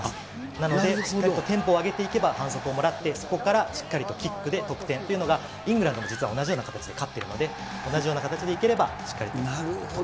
なので、テンポを上げていけば反則をもらって、そこからしっかりとキックで得点というのが、イングランドも実は同じような形で勝ってるので、なるほど。